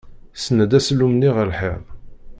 Senned asellum-nni ɣer lḥiḍ.